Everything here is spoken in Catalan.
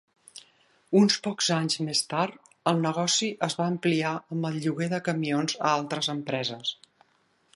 Uns pocs anys més tard, el negoci es va ampliar amb el lloguer de camions a altres empreses.